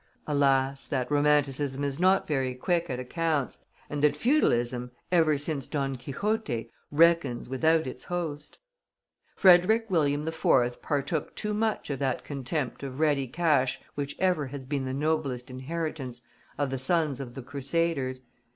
Alas, that romanticism is not very quick at accounts, and that feudalism, ever since Don Quixote, reckons without its host! Frederick William IV. partook too much of that contempt of ready cash which ever has been the noblest inheritance of the sons of the Crusaders.